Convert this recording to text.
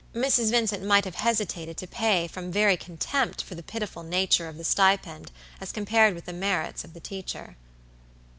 Mrs. Vincent might have hesitated to pay from very contempt for the pitiful nature of the stipend as compared with the merits of the teacher.